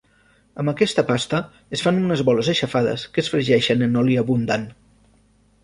Amb aquesta pasta es fan unes boles aixafades que es fregeixen en oli abundant.